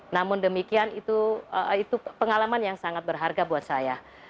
namun demikian itu pengalaman yang sangat berharga buat saya